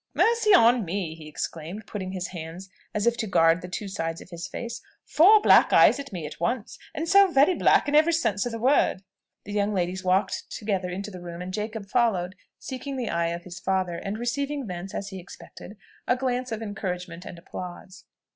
"Mercy on me!" he exclaimed, putting up his hands as if to guard the two sides of his face. "Four black eyes at me at once! and so very black in every sense of the word!" The young ladies walked together into the room, and Jacob followed, seeking the eye of his father, and receiving thence, as he expected, a glance of encouragement and applause.